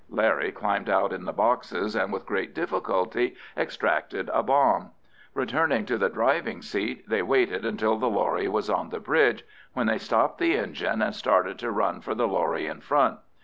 Larry climbed out on the boxes, and with great difficulty extracted a bomb; returning to the driving seat, they waited until the lorry was on the bridge, when they stopped the engine and started to run for the lorry in front.